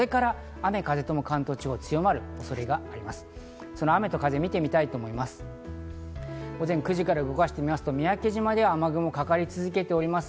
雨と風を見てみます。